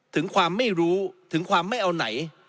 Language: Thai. ถึงความไม่รู้ถึงความไม่เอาไหน